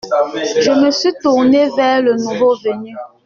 Je me suis tourné vers le nouveau venu.